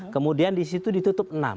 kemudian di situ ditutup enam